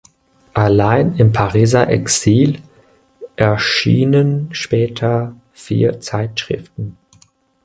Allein im Pariser Exil erschienen später vier Zeitschriften.